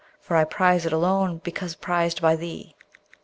For I prize it alone because prized by thee.